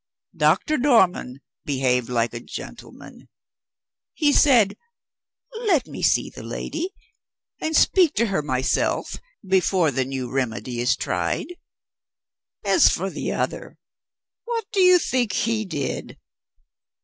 Doctor Dormann behaved like a gentleman. He said, 'Let me see the lady, and speak to her myself, before the new remedy is tried.' As for the other, what do you think he did?